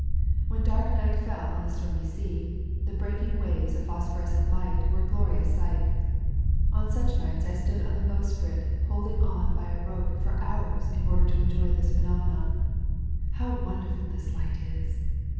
When dark night fell on the stormy sea, the breaking waves of phosphorescent light were a glorious sight. On such nights I stood on the bowsprit holding on by a rope for hours in order to enjoy this phenomenon. How wonderful this light is!